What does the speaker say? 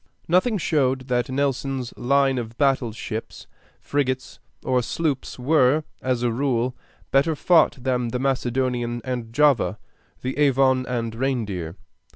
Nothing showed that Nelson's line of battle ships, frigates, or sloops were, as a rule, better fought than the Macedonian and Java, the Avon and Reindeer.